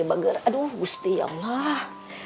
aduh gusti ya allah